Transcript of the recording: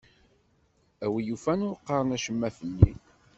A wi yufan ur qqaren acemma fell-i.